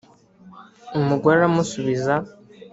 umugore aramusubiza